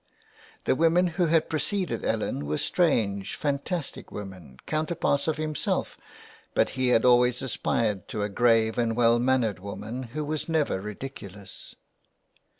The women who had preceded Ellen were strange, fantastic women, counterparts of himself, but he had always aspired to a grave and well mannered woman who was never ridiculous.